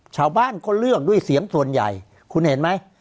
ชาวบ้านก็เลือกด้วยเสียงส่วนใหญ่คุณเห็นไหม